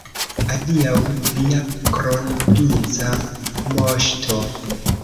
Adiaŭ, via kronprinca moŝto!